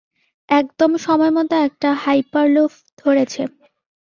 একদম সময়মতো একটা হাইপারলুপ ধরেছে।